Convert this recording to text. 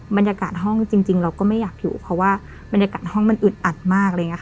บรรยากาศห้องจริงเราก็ไม่อยากอยู่เพราะว่าบรรยากาศห้องมันอึดอัดมากเลย